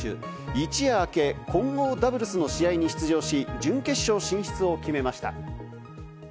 一夜明け、混合ダブルスの試合に出場し、準決勝進出を決めました。